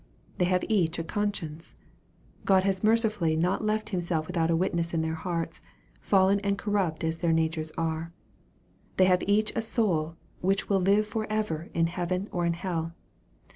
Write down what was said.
They have each a conscience. God has mercifully not left Himself without a witness in their hearts, fallen and corrupt as their natures are. They have each a soul which will live for ever in heaven or in hell.